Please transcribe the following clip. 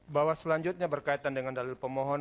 bahwa selanjutnya berkaitan dengan dalil pemohon